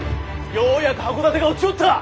ようやく箱館が落ちよったぁ！